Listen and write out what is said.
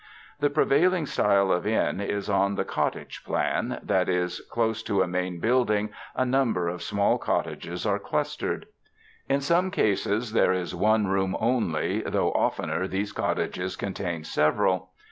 The prevailing style of inn is on the cottage plan ; that is, close to a main building a number of small cottages are clustered. In some cases there is one room only, though oftener these cottages contain several.